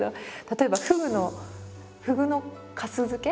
例えばフグのフグの粕漬け？